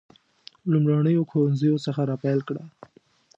لومړنیو ښوونځیو څخه را پیل کړه.